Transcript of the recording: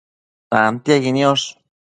tantiequi niosh